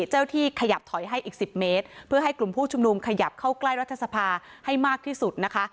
ที่ขยับถอยให้อีก๑๐เมตรเพื่อให้กลุ่มผู้ชุมนุมขยับเข้าใกล้รัฐสภาให้มากที่สุดนะคะ